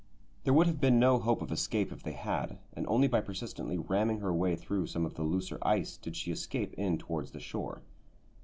There would have been no hope of escape if they had, and only by persistently ramming her way through some of the looser ice did she escape in towards the shore.